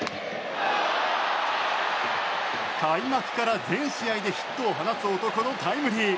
開幕から全試合でヒットを放つ男のタイムリー。